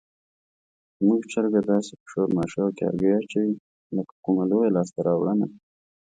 زموږ چرګه داسې په شور ماشور هګۍ اچوي لکه کومه لویه لاسته راوړنه.